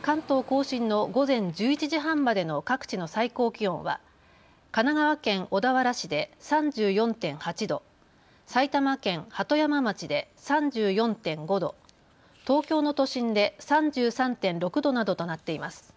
関東甲信の午前１１時半までの各地の最高気温は神奈川県小田原市で３４．８度、埼玉県鳩山町で３４．５度、東京の都心で３３．６度などとなっています。